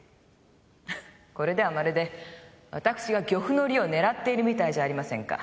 フッこれではまるで私が漁夫の利を狙っているみたいじゃありませんか。